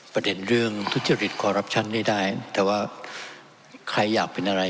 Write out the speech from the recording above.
ประเด็นเรื่องทุจริตได้แต่ว่าใครอยากเป็นอะไร